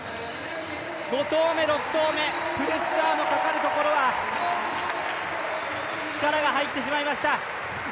５投目、６投目プレッシャーのかかるところは力が入ってしまいました。